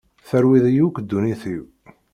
Terwiḍ-iyi akk ddunit-iw.